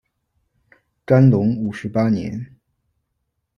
干隆五十八年。